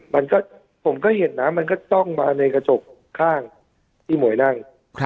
มันก็ผมก็เห็นนะมันก็จ้องมาในกระจกข้างที่หมวยนั่ง